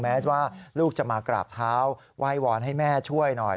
แม้ว่าลูกจะมากราบเท้าไหว้วอนให้แม่ช่วยหน่อย